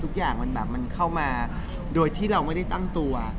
ทุกอย่างมันแบบมันเข้ามาโดยที่เราไม่ได้ตั้งตัว